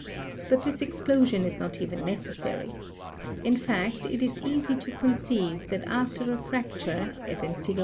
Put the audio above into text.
But this explosion is not even necessary. In fact it is easy to conceive that after a fracture, as in fig.